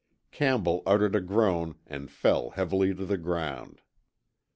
Campbell uttered a groan and fell heavily to the ground.